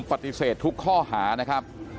ปฏิเสธทุกข้อหานะครับ